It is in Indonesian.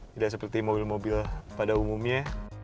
tidak seperti mobil mobil pada umumnya